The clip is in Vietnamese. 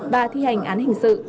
và thi hành án hình sự